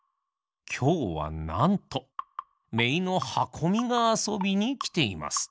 きょうはなんとめいのはこみがあそびにきています。